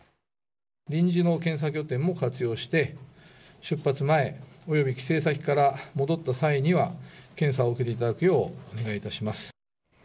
臨時の検査拠点も活用して、出発前、および帰省先から戻った際には、検査を受けていただくようお願いいたします。